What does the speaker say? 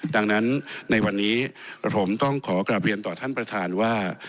ดังนั้นในวันนี้ผมต้องขอกลับเรียนต่อท่านประธานว่า